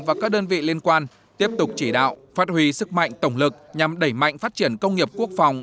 và các đơn vị liên quan tiếp tục chỉ đạo phát huy sức mạnh tổng lực nhằm đẩy mạnh phát triển công nghiệp quốc phòng